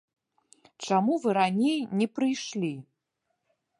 Чаму вы раней не прыйшлі?